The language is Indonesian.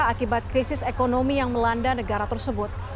akibat krisis ekonomi yang melanda negara tersebut